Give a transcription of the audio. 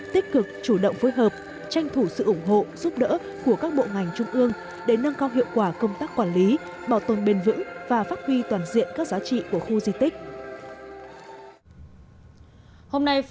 tích cực chủ động phối hợp tranh thủ sự ủng hộ giúp đỡ của các bộ ngành trung ương để nâng cao hiệu quả công tác quản lý bảo tồn bền vững và phát huy toàn diện các giá trị của khu di tích